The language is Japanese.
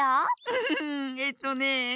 フフフえっとね。